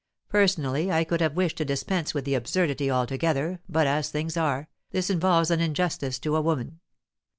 Personally, I could have wished to dispense with the absurdity altogether, but, as things are, this involves an injustice to a woman.